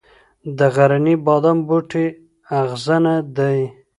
د غرني بادام بوټی اغزنه دی